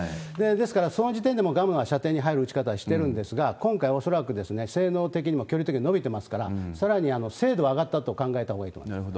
ですから、その時点でもうグアムは射程に入る撃ち方はしてるんですが、恐らく性能的にも距離的にも伸びてますから、さらに精度は上がったと考えていいと思います。